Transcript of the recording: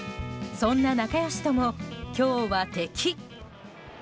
そんな仲良しとも、今日は敵。